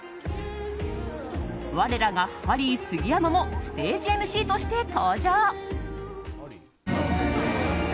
我らがハリー杉山もステージＭＣとして登場。